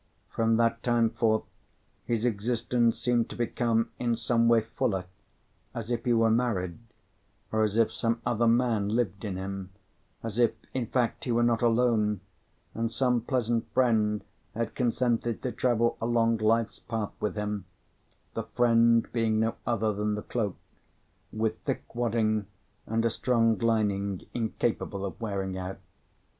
From that time forth his existence seemed to become, in some way, fuller, as if he were married, or as if some other man lived in him, as if, in fact, he were not alone, and some pleasant friend had consented to travel along life's path with him, the friend being no other than the cloak, with thick wadding and a strong lining incapable of wearing out.